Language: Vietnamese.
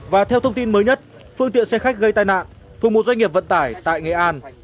và theo thông tin mới nhất phương tiện xe khách gây tai nạn thuộc một doanh nghiệp vận tải tại nghệ an